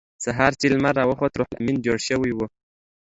سهار چې لمر راوخوت روح لامین جوړ شوی و